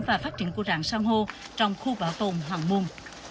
và phát triển của rạng sang hô trong khu bảo tồn hòn mùn